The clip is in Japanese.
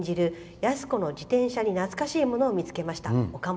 安子の自転車に懐かしいものを見つけました。